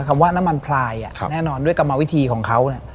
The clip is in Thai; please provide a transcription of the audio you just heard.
คำว่าน้ำมันพลายแน่นอนด้วยกรรมวิธีของเขา